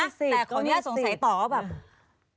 แต่ขออนุญาตสงสัยต่อว่าแบบ